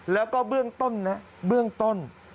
แล้วก็เบื้องต้นนะเบื้องต้น